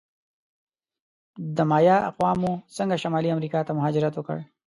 د مایا اقوامو څنګه شمالي امریکا ته مهاجرت وکړ؟